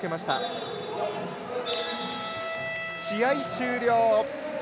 試合終了。